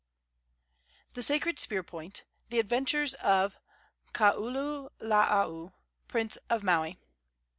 THE SACRED SPEAR POINT. THE ADVENTURES OF KAULULAAU, PRINCE OF MAUI.